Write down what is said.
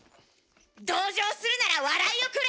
「同情するなら笑いをくれ！」。